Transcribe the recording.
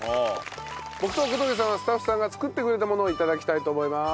僕と小峠さんはスタッフさんが作ってくれたものを頂きたいと思います。